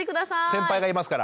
先輩がいますから。